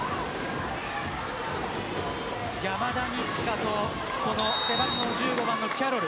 山田二千華と背番号１５番のキャロル。